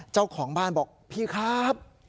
เจ้าของบ้านบอกพี่ครับ